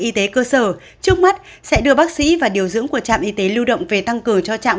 y tế cơ sở trước mắt sẽ đưa bác sĩ và điều dưỡng của trạm y tế lưu động về tăng cường cho trạm